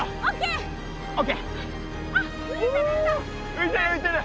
ういてるういてる！